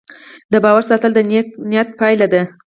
د باور ساتل د نیک نیت پایله ده.